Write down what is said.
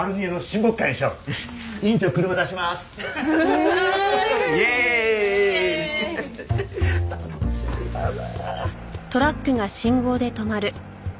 楽しみだな！